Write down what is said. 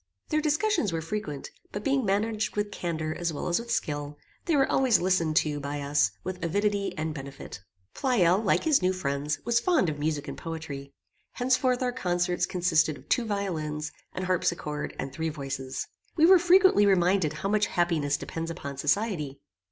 Their discussions were frequent, but, being managed with candour as well as with skill, they were always listened to by us with avidity and benefit. Pleyel, like his new friends, was fond of music and poetry. Henceforth our concerts consisted of two violins, an harpsichord, and three voices. We were frequently reminded how much happiness depends upon society.